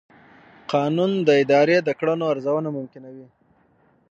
قانون د ادارې د کړنو ارزونه ممکنوي.